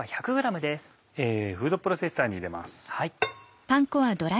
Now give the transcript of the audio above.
フードプロセッサーに入れます。